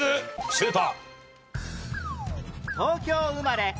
シュート！